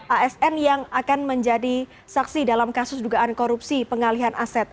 asn yang akan menjadi saksi dalam kasus dugaan korupsi pengalihan aset